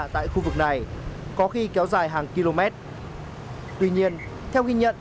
tại khu vực này có khi kéo dài hàng km tuy nhiên theo ghi nhận